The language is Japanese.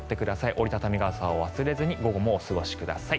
折り畳み傘を忘れずに午後もお過ごしください。